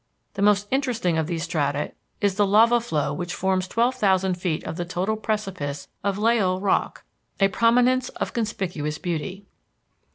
The most interesting of these strata is the lava flow which forms twelve thousand feet of the total precipice of Llao Rock, a prominence of conspicuous beauty.